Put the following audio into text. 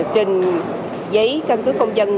trình giấy cân cứ công dân